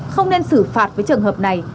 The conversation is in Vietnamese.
không nên xử phạt với trường hợp này